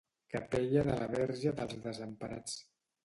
Capella de la Verge dels Desemparats